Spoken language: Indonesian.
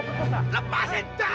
pergi pergi semua pergi carsanya